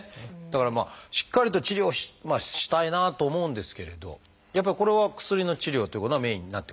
だからしっかりと治療をしたいなと思うんですけれどやっぱりこれは薬の治療ということがメインになってくるってことですか？